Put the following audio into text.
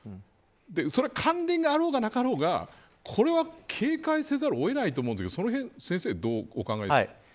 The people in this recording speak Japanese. それは関連があろうがなかろうがこれは警戒せざるを得ないと思うんですけどそのへん先生どうお考えですか。